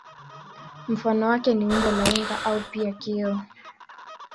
Mfano wake ni umbo la unga au pia kioo.